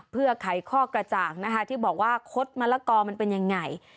เพื่อไขข้อกระจ่างนะคะที่บอกว่าคดมะละกอมันเป็นยังไง